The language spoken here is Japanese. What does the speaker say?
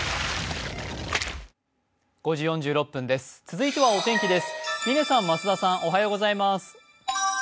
続いてはお天気です。